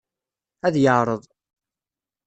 Ad yeɛreḍ.